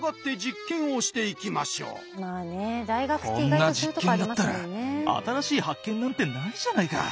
こんな実験だったら新しい発見なんてないじゃないか。